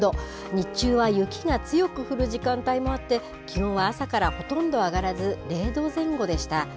日中は雪が強く降る時間帯もあって、気温は朝からほとんど上がらず、０度前後でした。